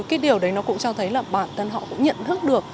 cái điều đấy nó cũng cho thấy là bản thân họ cũng nhận thức được